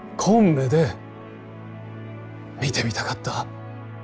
こん目で見てみたかった。